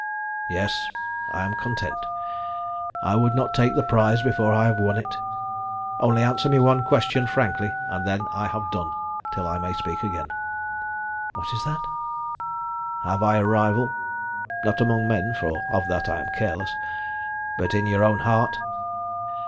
"Yes, I am content. I would not take the prize before I have won it. Only answer me one question frankly, and then I have done till I may speak again." "What is that." "Have I a rival not among men, for of that I am careless but in your own heart?"